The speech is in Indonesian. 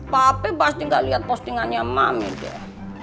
papi pasti gak liat postingannya mami deh